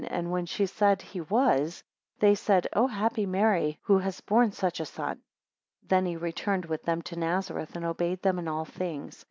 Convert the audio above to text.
And when she said, He was, they said, O happy Mary, who hast borne such a son. 27 Then he returned with them to Nazareth, and obeyed them in all things.